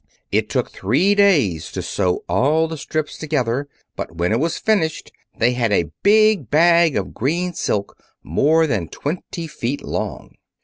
It took three days to sew all the strips together, but when it was finished they had a big bag of green silk more than twenty feet long.